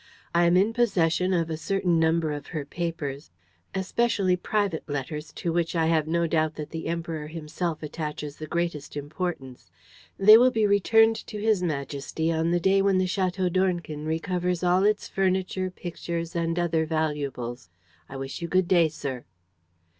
I am in possession of a certain number of her papers, especially private letters to which I have no doubt that the Emperor himself attaches the greatest importance. They will be returned to His Majesty on the day when the Château d'Ornequin recovers all its furniture, pictures and other valuables. I wish you good day, sir."